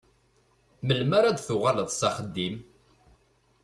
Melmi ara d-tuɣaleḍ s axeddim?